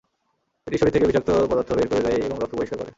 এটি শরীর থেকে বিষাক্ত পদার্থ বের করে দেয় এবং রক্ত পরিষ্কার করে।